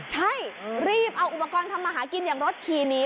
ใช่รีบเอาอุปกรณ์ทำมาหากินอย่างรถขี่หนี